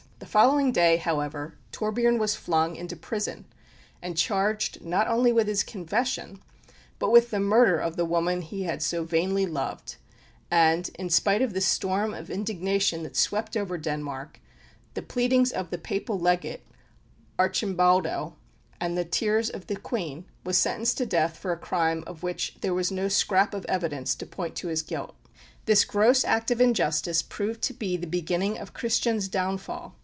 The following day, however, Torbern was flung into prison, and charged, not only with his confession, but with the murder of the woman he had so vainly loved; and, in spite of the storm of indignation that swept over Denmark, the pleadings of the Papal Legate, Arcimbaldo, and the tears of the Queen, was sentenced to death for a crime of which there was no scrap of evidence to point to his guilt. This gross act of injustice proved to be the beginning of Christian's downfall.